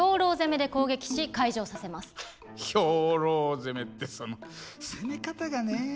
兵糧攻めってその攻め方がねえ。